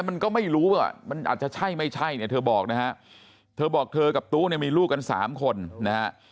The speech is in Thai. มันก็ไม่รู้ว่ามันอาจจะใช่ไม่ใช่เนี่ยเธอบอกนะฮะเธอบอกเธอกับตู้เนี่ยมีลูกกันสามคนนะฮะ